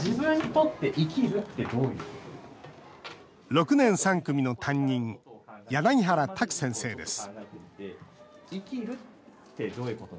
６年３組の担任柳原拓先生です